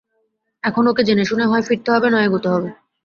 এখন ওকে জেনেশুনে হয় ফিরতে হবে নয় এগোতে হবে।